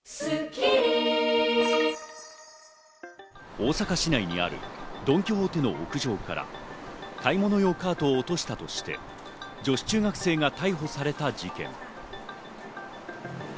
大阪市内にあるドン・キホーテの屋上から買い物用カートを落としたとして、女子中学生が逮捕された事件。